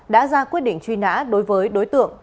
đã ra quyết định truy nã đối với đối tượng